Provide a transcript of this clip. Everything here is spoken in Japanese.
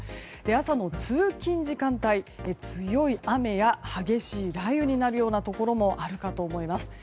朝の通勤時間帯、強い雨や激しい雷雨になるところもあるかと思います。